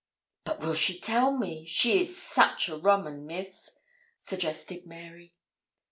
'But will she tell me she is such a rum un, Miss?' suggested Mary.